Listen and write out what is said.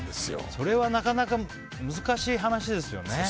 それはなかなか難しい話ですよね。